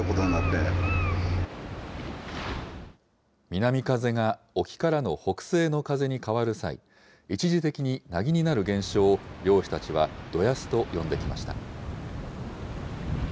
南風が沖からの北西の風に変わる際、一時的になぎになる現象を、漁師たちはどやすと呼んできました。